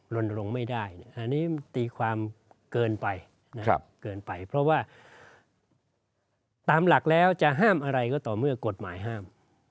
ลงไม่ได้อันนี้ตีความเกินไปนะครับเกินไปเพราะว่าตามหลักแล้วจะห้ามอะไรก็ต่อเมื่อกฎหมายห้าม